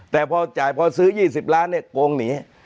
แต่พอจ่ายพอซื้อ๒๐ล้านเนี่ยโกงหนี